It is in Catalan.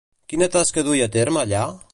Quina tasca duia a terme allà?